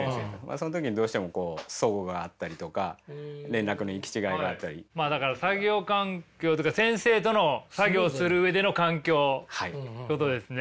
その時にどうしてもこうそごがあったりとかまあだから作業環境というか先生との作業する上での環境ってことですね。